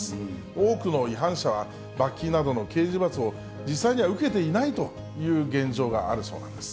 多くの違反者は、罰金などの刑事罰を実際には受けていないという現状があるそうなんです。